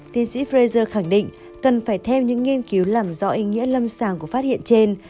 tiến sĩ prezer khẳng định cần phải theo những nghiên cứu làm rõ ý nghĩa lâm sàng của phát hiện trên